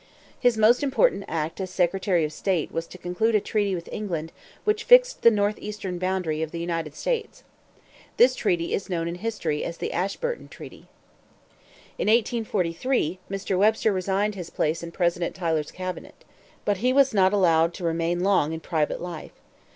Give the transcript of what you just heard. His most important act as secretary of state was to conclude a treaty with England which fixed the northeastern boundary of the United States. This treaty is known in history as the Ashburton Treaty. In 1843, Mr. Webster resigned his place in President Tyler's cabinet. But he was not allowed to remain long in private life.